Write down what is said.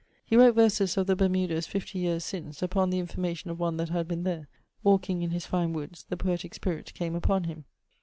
He wrote verses of the Bermudas 50 yeares since, upon the information of one that had been there; walking in his fine woods, the poetique spirit came upon him.